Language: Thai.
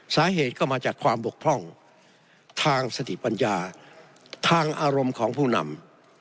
สาเหตุก็มาจากความบกพร่องทางสถิปัญญาทางอารมณ์ของผู้นำ